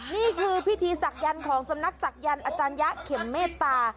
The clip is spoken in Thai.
นี่คือพิธีศักดิ์ของสำนักศักยันต์อาจารยะเข็มเมตตา